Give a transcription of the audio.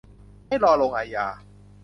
ให้รอลงอาญา